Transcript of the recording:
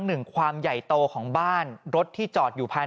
ปี๖๕วันเกิดปี๖๔ไปร่วมงานเช่นเดียวกัน